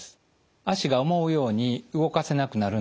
脚が思うように動かせなくなるんです。